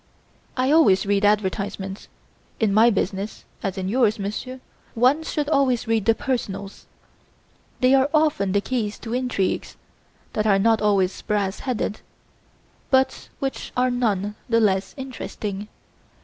I always read advertisements. In my business, as in yours, Monsieur, one should always read the personals.' They are often the keys to intrigues, that are not always brass headed, but which are none the less interesting.